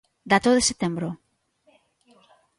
Dato de setembro.